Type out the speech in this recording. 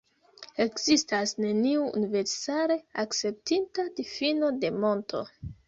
Ekzistas neniu universale akceptita difino de monto.